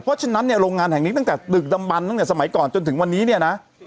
เพราะฉะนั้นเนี่ยโรงงานแห่งนี้ตั้งแต่ตึกดำบันตั้งแต่สมัยก่อนจนถึงวันนี้เนี่ยนะ